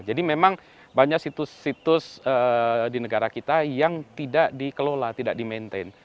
jadi memang banyak situs situs di negara kita yang tidak dikelola tidak di maintain